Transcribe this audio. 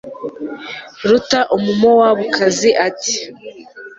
ruta umumowabukazi ati